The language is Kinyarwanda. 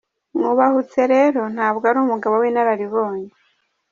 Mwubahutse rero ntabwo ari umugabo w’inararibonye.